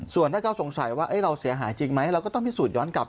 ส่วนถ้าเขาสงสัยว่าเราเสียหายจริงไหมเราก็ต้องพิสูจนย้อนกลับ